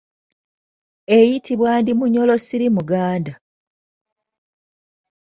Eyitibwa Ndimunyolosirimuganda.